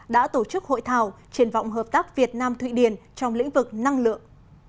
đã tổ chức hội thảo triển vọng hợp tác việt nam thụy điển trong lĩnh vực năng lượng